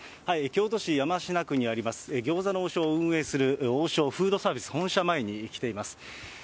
京都市山科区にあります、餃子の王将を運営する王将フードサービス本社前に来ています。